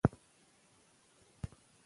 خپل ایمان پیاوړی کړئ.